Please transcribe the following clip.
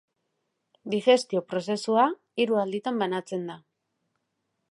Digestio-prozesua hiru alditan banatzen da.